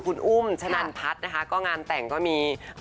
คุณอุ่มชนั่นพัดก็งานแต่งก็มี